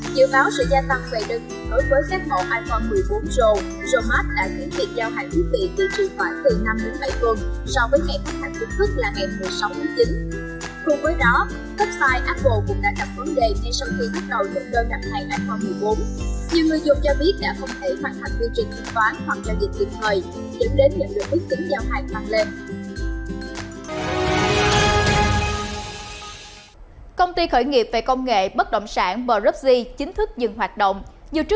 dự báo sự gia tăng về đơn vị đối với các mẫu iphone một mươi bốn pro